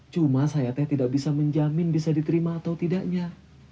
cuma sayatnya tidak bisa menjamin bisa diterima atau tidaknya